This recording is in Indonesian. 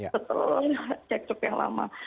setelah cek cok yang lama